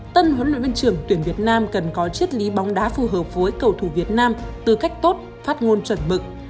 tân huấn luyện viên trưởng tuyển việt nam cần có triết lý bóng đá phù hợp với cầu thủ việt nam tư cách tốt phát ngôn chuẩn mực